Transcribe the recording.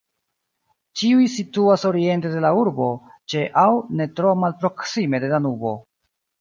Ĉiuj situas oriente de la urbo, ĉe aŭ ne tro malproksime de Danubo.